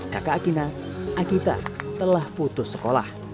kakak akina akita telah putus sekolah